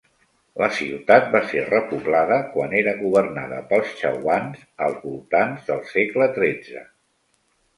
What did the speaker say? La ciutat va ser repoblada quan era governada pels Chauhans, als voltants del segle XIII.